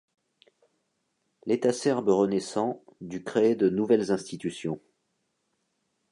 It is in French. L'État serbe renaissant dut créer de nouvelles institutions.